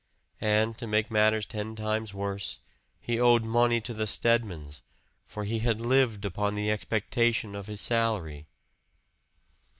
And to make matters ten times worse, he owed money to the Stedmans for he had lived upon the expectation of his salary!